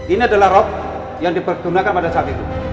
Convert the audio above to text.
ini adalah rob yang dipergunakan pada saat itu